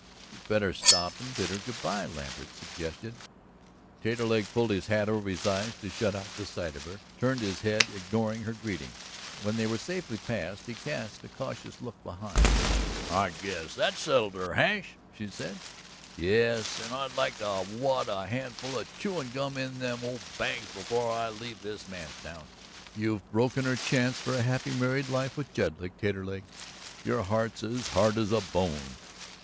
"You'd better stop and bid her good bye," Lambert suggested. Taterleg pulled his hat over his eyes to shut out the sight of her, turned his head, ignoring her greeting. When they were safely past he cast a cautious look behind. "I guess that settled her hash!" he said. "Yes, and I'd like to wad a handful of chewin' gum in them old bangs before I leave this man's town!" "You've broken her chance for a happy married life with Jedlick, Taterleg. Your heart's as hard as a bone."